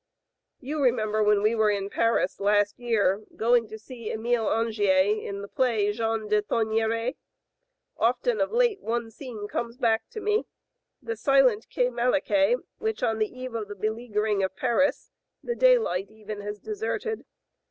You remem ber when we were in Paris, last year, going to see Emile Angier, in the play 'Jean de Thomeray*? Often of late one scene comes back to me. The silent Quai Malaquais which, on the eve of the beleaguering of Paris, the daylight even has deserted.